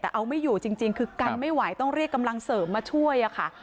แต่เอาไม่อยู่จริงคือกันไม่ไหวต้องเรียกกำลังเสริมมาช่วยค่ะ